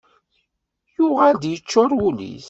Yuɣal-d yeččur wul-is.